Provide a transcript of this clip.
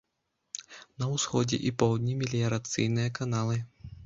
На ўсходзе і поўдні меліярацыйныя каналы.